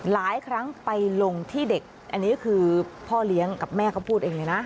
หลายครั้งไปลงที่เด็กอันนี้คือพ่อเลี้ยงกับแม่เขาพูดเองเลยนะ